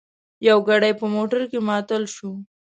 یو ګړی په موټر کې معطل شوو.